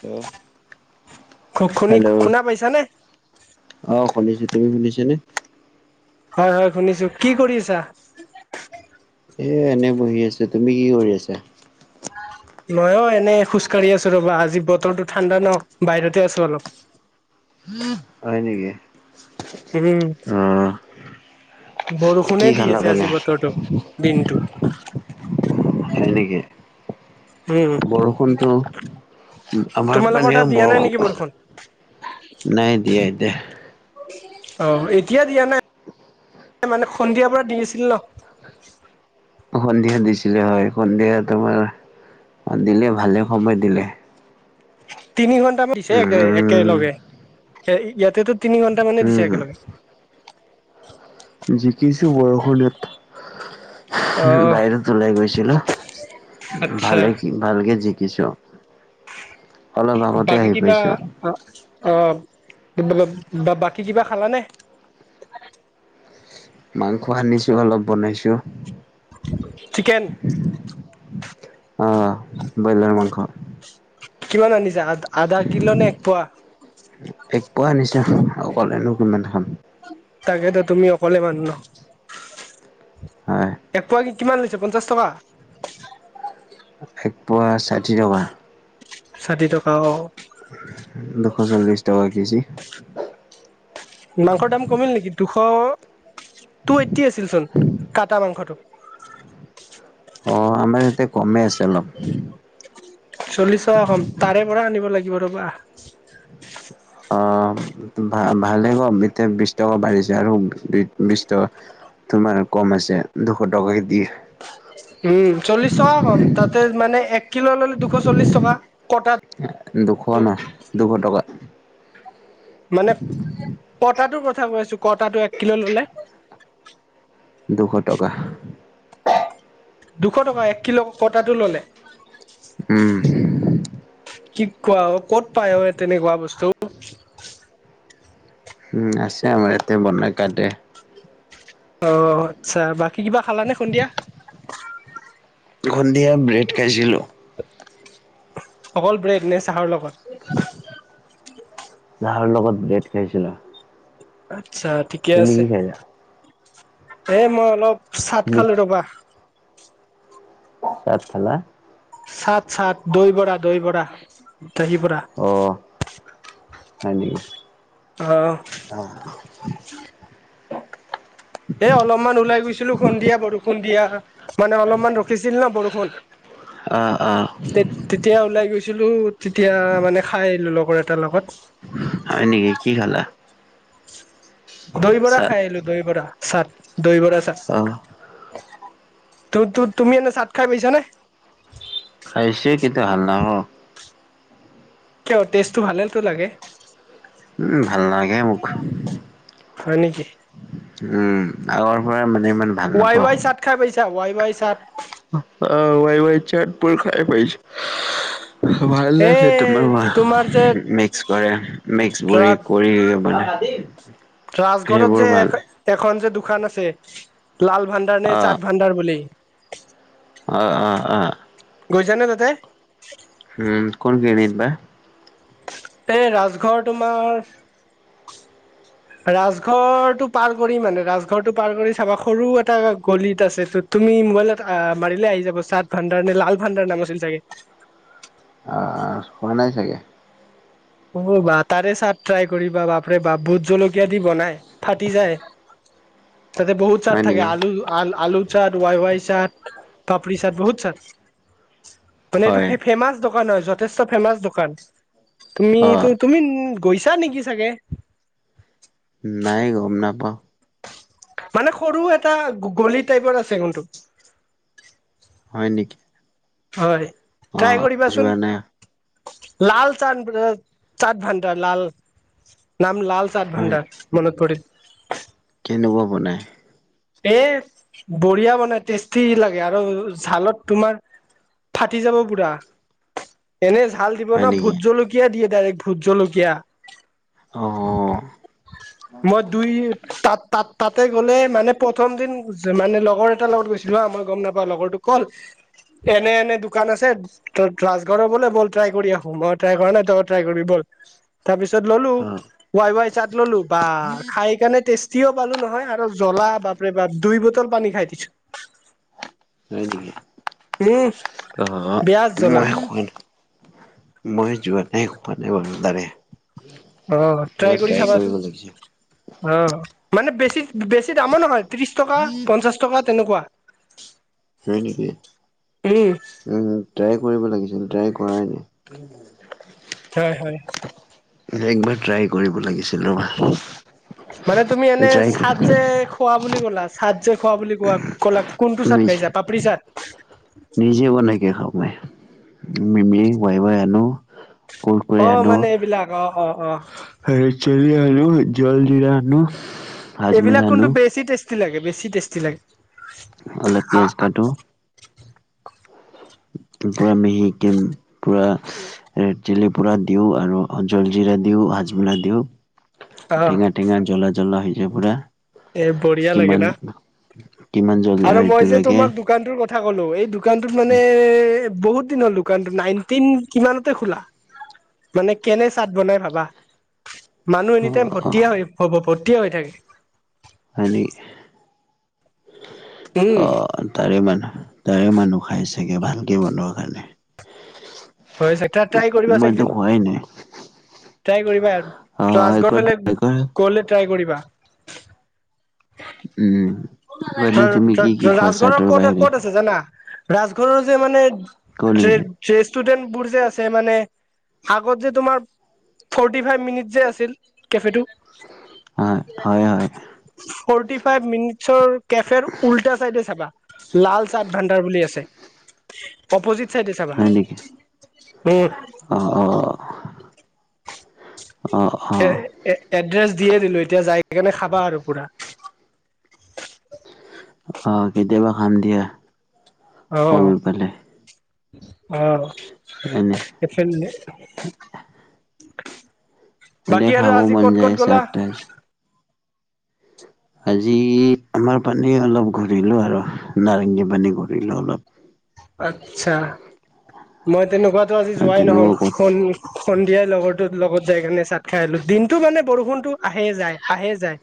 Hello. [inaudible] খ খুনী hello শুনা পাইছা নে? অ, শুনিছো, তুমি শুনিছে নে? হয় হয় শুনিছো, কি কৰি আছা? এ, এনেই বহি আছো। তুমি কি কৰি আছা? মইও এনে খোজকাঢ়ি আছো ৰ'বা, আজি বতৰটো ঠাণ্ডা ন? বাহিৰতে আছো অলপ। [inaudible] হয় নেকি? উম, অ' কি বৰষুণে দি খালা আছে, পিনে আজি বতৰটো দিনটোত। সেনেকে। উম। বৰষুণটো, আমাৰ তোমালোকৰ ফালে তাত দিয়া নাই নেকি বৰষুণ- নাই দিয়া এতিয়া। অ' এতিয়া দিয়া নাই, মানে সন্ধিয়াৰ পৰা দি আছিল ন? সন্ধিয়া দিছিলে হয়, সন্ধিয়া তোমাৰ দিলে ভালে সময় দিলে। তিনি ঘন্টা মান দিছেএকে উম, একেলগে, এ-ইয়াতেটো তিনি ঘন্টা মানে দিছে উম, একেলগে। জিকিছো বৰষুণত। অ বাহিৰত ওলাই গৈছিলো, আচ্ছা। ভালে ভালকে জিকিছো, অলপ আগতে বাকী আহি কিবা পাইছো। অ', অ', বা, বাকী কিবা খালানে? মাংস আনিছো, অলপ বনাইছো। চিকেন। অ', ব্ৰইলাৰ মাংস কিমান আনিছা, আ-আধা কিল' নে এক পোৱা? এক পোৱা আনিছোঁ, অকলেনো কিমান খাম। তাকেতো তুমি অকলে মানুহ ন? হয় এক পোৱা কি- কিমান লৈছে পঞ্চাছ টকা? এক পোৱা ষাঠি টকা। ষাঠি টকা অ'। দুশ চল্লিশ টকা কেজি। মাংসৰ দাম কমিল নেকি? দুশ টু এইটটি আছিল চোন কাটা মাংসটো? অ' আমাৰ ইয়াতে কমেই আছে অলপ। চল্লিছ টকা কম, তাৰে পৰা আনিব লাগিব ৰ'বা। অ, ভা ভালে কম এতিয়া বিশ টকা বাঢ়িছে আৰু বিশ টকা তোমাৰ কম আছে দুশ টকাকৈ দিয়ে। উম, চল্লিশ টকা কম, তাতে মানে এক- কিলোত ল'লে দুশ চল্লিছ টকা, দুশ কটাটো ন দুশ টকা। মানে কটাটোৰ কথা কৈছোঁ, কটাটো এক কিলো ললে। দুশ টকা। দুশ টকা এক কিলো কটাটো ললে। উম। কি কোৱা, ক'ত পাই অ, তেনেকুৱা বস্তু? [inaudible] উম আছে আমাৰ ইয়াতে বনাই কাটে। অ, আচ্ছা বাকী কিবা খালা নে সন্ধিয়া? সন্ধিয়া ব্ৰেড খাইছিলোঁ। অকল ব্ৰেড নে, চাহৰ লগত? চাহৰ লগত ব্ৰেড খাইছিলো। আচ্ছা ঠিকে তুমি আছে, কি খাইছা? এ মই অলপ চাট তুমি খালো ৰ'বা। চাট খালা? চাট চাট দৈ বৰা দৈ বৰা দহি পৰা। অ, হয় নেকি। অ, [inaudible] এ, অলপমান ওলাই গৈছিলো, সন্ধিয়া বৰষূণ দিয়া। মানে, অলপমান ৰখিছিল ন, বৰষুণ। অ, অ, তে, তেতিয়া ওলাই গৈছিলো, তেতিয়া মানে খাই আহিলো লগৰ এটাৰ লগত। হয় নেকি, কি খালা? দহি ভৰা চাত খাই আহিলো, দহি বৰা চাট। দৈ বৰা চাছ, অ তু-তু-তুমি এনে চাট খাই পাইছানে? খাইছে [unintelligible] কিয়, টেষ্টটো ভালেটো লাগে। উম, ভাল নালাগে মোক। হয়, নেকি? উম, আগৰ পৰা মানে ইমান ভাল ৱাই, নাপাওঁ। ৱাই চাট খাই পাইছা ৱাই, ৱাই চাট। অ, ৱাই, ৱাই চাটবোৰ খাই পাইছো। ভাল এ লাগে, তোমাৰ মিক্স কৰে, মিক্স ৰা বুলি কৰি ম উপ। ৰাজঘৰত যে এখন যে দোকান আছে। লাল ভাণ্ডাৰ নে, অ চাট ভাণ্ডাৰ বুলি। অ, অ, অ, গৈছা নে তাতে? উম, কোন খিনিত বা? এই, ৰাজঘৰ তোমাৰ? ৰাজঘৰটো পাৰ কৰি মানে, ৰাজঘৰ টো পাৰ কৰি চাবা সৰু এটা গলিত আছে ত তুমি মোবাইলত আহ, মাৰিলে আহি যাব। চাট ভাণ্ডাৰ নে, লাল ভাণ্ডাৰ নাম আছিল চাগে। অ, হোৱা নাই চাগে। হ'ব বা তাৰে চাট ট্ৰাই কৰিবা, বাপৰে বাপ ভুট জলকীয়া দি বনাই, ফাটি যায়। তাতে বহুত চাট হয় থাকে, নেকি আলু আল আলু চাট ৱাই, ৱাই চাট, পাপৰি চাট, বহুত চাট মানে এইটো হয় ফে-ফেমাচ। দোকান হয়, যথেষ্ট ফেমাচ দোকান। তুমি, অ তুমি গৈছা নেকি চাগে। নাই, গম নাপাওঁ। মানে সৰু এটা গলি টাইপৰ আছে, কোনটো। হয়, নেকি? হয়, অ ট্ৰাই কৰিবাচোন। যোৱা নাই লাল [inaudible] চাট ভাডাৰ, লাল। নাম, লাল চাদ হয় ভাণ্ডাৰ, মনত পৰিল। কেনেকুৱা বনায়? এ, বঢ়িয়া বনাই টেষ্টি লাগে, আৰু জালত তোমাৰ ফাটি যাব পুৰা, এনে জাল দিব হয় ন, নেকি ভোট জলকীয়া দিয়ে ডাইৰেক্ট, ভোট জলকীয়া। অ অ মই দুই তাত, তাত, তাতে গ'লে মানে প্ৰথম দিন মানে লগৰ এটাৰ লগত গৈছিলো হা, মই গম নাপাওঁ, লগৰটোক কল এনে, এনে দোকান আছে। তই ৰাজঘৰৰ বোলে ব'ল, ট্ৰাই কৰি আহো। মই ট্ৰাই কৰা নাই, তই ট্ৰাই কৰিবি ব'ল। তাৰ পিছত ল'লো ৱাই ৱাই চাট ল'লো বা খাই কাৰণে টেষ্টি তিয়হ পালো নহয় আৰু জ্বলা বাপৰে বাপ দুই বটল পানী খাই দিছোঁ। হৈ নিকি উম অ বেয়া জ্বলা মই খো মই যোৱা নাই খোৱা নাই বাৰু তাৰে, অ ট্ৰাই এইবাৰ কৰি কৰিব চাবাচোন। লাগিছিল অ মানে বেছি বেছি দামো নহয় ত্ৰিশ টকা পঞ্চাশ টকা তেনেকুৱা। হয় নেকি উম ট্ৰাই কৰিব লাগিছিল ট্ৰাই কৰাই নাই। হয় হয়। একবাৰ ট্ৰাই কৰিব লাগিছিল ৰ'বা। মানে তুমি এনে ট্ৰাই চাদ যে খোৱা বুলি ক'লা, চাট যে খোৱা বুলি কোৱা ক'লা কোনটো চাট খাইছা পাপৰি চাট, যি বনাইকে খাওঁ মই মিমি উৱাই উৱাই আনো। কুৰকুৰে অ মানে এইবিলাক অ অ অ, ৰেদ চিলি আনো জল জিৰা আনো। এইবিলাক হাজমোলা কিন্তু আনো বেছি টেষ্টি লাগে বেছি টেষ্টি লাগে। অলপ পিঁয়াজ কাটো, পূৰা মিহিকে উম, পুৰা ৰেদ চিলি পুৰা দিওঁ আৰু জলজিৰা দিওঁ হাজমলা দিওঁ, অ টেঙা টেঙা জ্বলা জলা হৈজাই পুৰা। এ বঢ়িয়া লাগে কিমান না কিমান জলা আৰু মই এটো যে লাগে। তোমাক দোকানটোৰ কথা ক'লো এই দোকানটোত মানে বহুত দিনৰ, দোকানতো নাইনটিন কিমানতে খোলা মানে কেনে চাট বনাই ভাবা। মানুহ এনি অ টাইম অ ভৰ্তিয়ে হব ভৰ্তিয়ে হৈ থাকে। হয়নি। উম, তাৰে মানুহ তাৰে মানুহ খাই চাগে ভালকে বনোৱা কাৰণে। হয় ট্ৰাই কৰিবা চোন মইতো একদিন। খোৱাই নাই ট্ৰাই কৰিবা অ ৰাজগড় একবাৰ ফালে ট্ৰাই কৰা গ'লে ট্ৰাই কৰিবা। উম মানে তুমি কি কি খোৱা ৰাজঘৰৰ চাহটোৰ ক'ত বাহিৰে ক'ত আছে জানা। ৰাজঘৰ যে মানে ক নেকি ষ্টুডেণ্ট বুৰ যে আছে মানে আগত যে তোমাৰ। ফৰ্টি ফাইভ মিনিট যে আছিল কেফেটো। হয় হয় হয়। ফৰটি ফাইভ মিনিট ৰ কেফেৰ উল্টা চাইডে চাবা লাল চাট ভাণ্ডাৰ বুলি আছে। অপ'জিত চাইডে চাবা হয় নেকি উম অ [unintelligible] অ এ-এ-এড্ৰেছ দিয়ে দিলো এতিয়া যাই কিনে খাবা আৰু পুৰা। অ কেতিয়াবা খাম দিয়া। অ সময় পালে অ। এনেই, [unintelligible] এনে বাকী আৰু খাব আজি মন ক'ত যায় ক'ত গ'লা। চাট তাত আজি আমাৰ পানী অলপ ঘূৰিলো আৰু নাৰেংগীৰ পানী ঘূৰিলোঁ অলপ, আচ্ছা মই তেনেকুৱাতো আজি যোৱাই নহল তেনেকুৱা ক'ত শুন, সন্ধিয়াই লগৰ লগত যাই কাৰণে চাট খাই আহিলো, দিনটো মানে বৰষুণতো আহে যায় আহে যায়।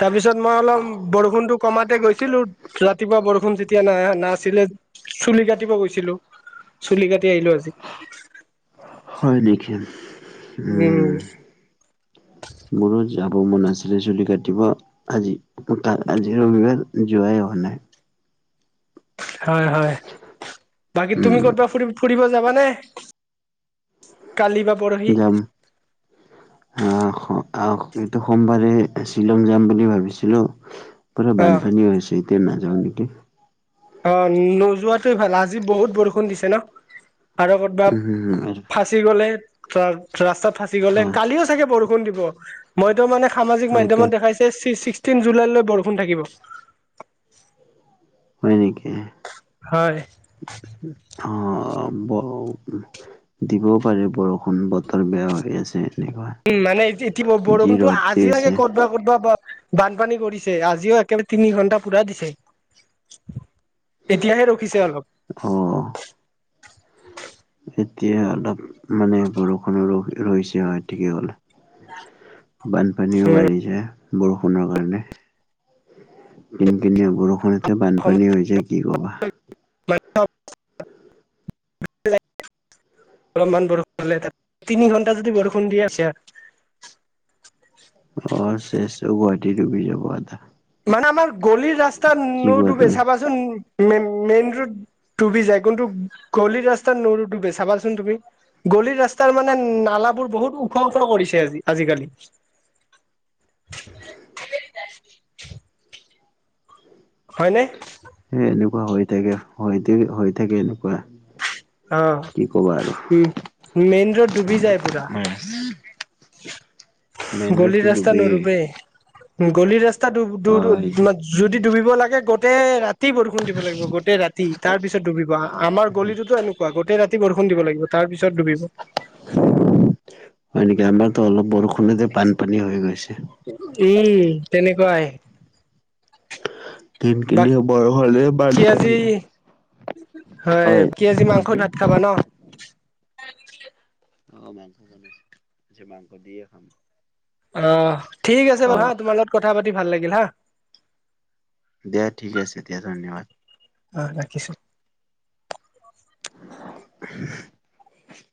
তাৰপিছত মই অলপ বৰষুণটো কমাতে গৈছিলোঁ ৰাতিপুৱা বৰষুণ যেতিয়া না নাছিলে। চুলি কাটিব গৈছিলো চুলি কাটি আহিলো আজি। হয় নেকি? উম। মোৰো যাব মন আছিলে চুলি কাটিব। আজি আজি ৰবিবাৰ যোৱাই হোৱা নাই। হয় হয়, বাকী উম তুমি ক'তবা ফুৰিব ফুৰিব যাবা নে? কালি বা পৰহি যাম। [inaudible] আহ আহ এইটো সোমবাৰে শ্বিলং যাম বুলি ভাবিছিলো, পুৰা অ বানপানী হৈ আছে এতিয়া নাযাওঁ নেকি। অ' নোজোৱাটোৱেই ভাল আজি বহুত বৰষুণ দিছে ন আৰু কৰ'বাত ফ ফচি গলে ত ৰাস্তাত ফচি গলে উম কালিও চাগে বৰষুণ দিব। মইটো মানে সামাজিক মাধ্যমত দেখাইছে ছিক্সটিন জুলাইলৈ বৰষুণ থাকিব। হয় নেকি? হয়। অ [unintelligible] দিবও পাৰে বৰষুণ বতৰ বেয়া হৈ আছে। এনেকুৱা। উম, মানে ই যি বৰষুণটো ৰ'দ দি আছে আজিলৈকে বৰষুণটো ক'তবা ক'তবা বানপানী কৰিছে আজিও একেবাৰে তিনিঘন্টা পুৰা দিছে। এতিয়াহে ৰখিছে অলপ। অঁ। এতিয়া অলপ মানে বৰষুণ ৰৈছে হয় ঠিকে ক'লা। [inaudible] বানপানীও বাঢ়িছে। বৰষুণৰ কাৰণে কিন কিনিয়া বৰষুণ তে অসম বানপানী হৈ যায়, কি ক'বা। [unintelligible] অলপমান বৰষুণ হলে তিনি ঘণ্টা যদি বৰষুণ দি আছে এয়াত অ চেছ গুৱাহাটী ডুবি যাব আধা। মানে আমাৰ গলিৰ ৰাস্তা কি কোৱা নোডুবে তুমি? চাবাচোন মেইন ৰোড ডুবি যায়, কিন্তু গলিৰ ৰাস্তা নোডুবে চাবাচোন তুমি। গলিৰ ৰাস্তাৰ মানে নালাবোৰ বহুত ওখ ওখ কৰিছে আজি আজিকালি। [inaudible] হয় নে? সেই এনেকুৱা হৈ থাকে হয় হৈ থাকে এনেকুৱা। অঁ, কি ক'বা আৰু। উম মেইন ৰোড ডুবি যায় পুৰা। [inaudible] মেইন গলিৰ ৰোডটো ৰাস্তা ডুবেই নোডুবে। গলিৰ ৰাস্তা ডু ডু অ' যদি ডুবিব লাগে গোটেই ৰাতি বৰষুণ দিব লাগিব গোটেই ৰাতি। তাৰ পিছত ডুবিব আমাৰ গলিতোতো এনেকুৱা গোটেই ৰাতি বৰষুণ দিব লাগিব তাৰ পিছত ডুবিব। হয় নেকি, আমাৰতো অলপ বৰষুণতে বানপানী হৈ গৈছে। এইটো উম তেনেকুৱাই কিন কিনিয়া বৰষুণ হলেই কি আজি হয় কি আজি মাংস ভাত খাবা ন অ মাংস বনাইছে আজি মাংস দিয়ে খাম। অ ঠিক আছে অ বাৰু হা তোমাৰ লগত কথা পাতি ভাল লাগিল দিয়া ঠিক আছে দিয়া ধন্যবাদ অ ৰাখিছো। উম